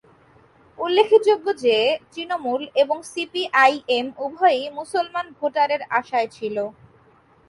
উল্লেখযোগ্য যে তৃণমূল এবং সিপিআইএম উভয়েই মুসলমান ভোটারের আশায় ছিল।